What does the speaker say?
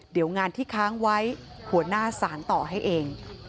เดี๋ยวงานที่ค้างไว้หัวหน้าสารต่อให้เอง